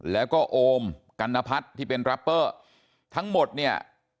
แล้วก็โอมกัณพัฒน์ที่เป็นแรปเปอร์ทั้งหมดเนี่ย